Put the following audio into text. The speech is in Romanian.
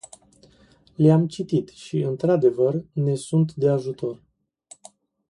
Le-am citit și, într-adevăr, ne sunt de ajutor.